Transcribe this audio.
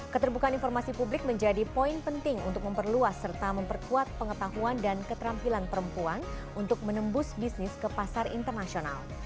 keterbukaan informasi publik menjadi poin penting untuk memperluas serta memperkuat pengetahuan dan keterampilan perempuan untuk menembus bisnis ke pasar internasional